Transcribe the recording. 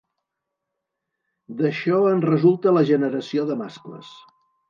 D'això en resulta la generació de mascles.